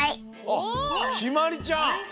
あっひまりちゃん。